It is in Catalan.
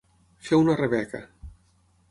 Fer una rebeca.